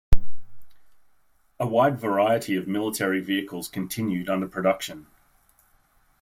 A wide variety of military vehicles continued under production.